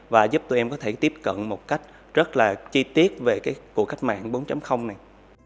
và giúp tụi em có thể tiếp cận một cách rất là chi tiết về cái cuộc cách mạng bốn này